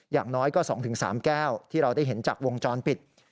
อย่างน้อยก็๒๓แก้วที่เราได้เห็นจากวงจรปิด